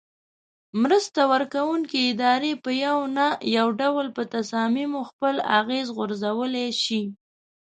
مرسته ورکوونکې ادارې په یو نه یو ډول په تصامیمو خپل اغیز غورځولای شي.